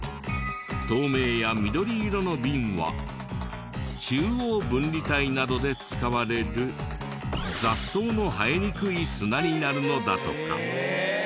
透明や緑色のビンは中央分離帯などで使われる雑草の生えにくい砂になるのだとか。